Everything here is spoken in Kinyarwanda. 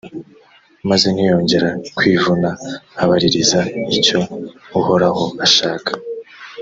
maze ntiyongera kwivuna abaririza icyo uhoraho ashaka.